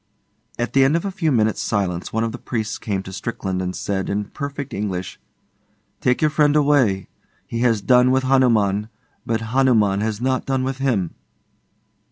At the end of a few minutes' silence one of the priests came to Strickland and said, in perfect English, 'Take your friend away. He has done with Hanuman, but Hanurnan has not done with him.